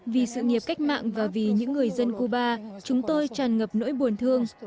vì sự nghiệp cách mạng và vì những người dân cuba chúng tôi tràn ngập nỗi buồn thương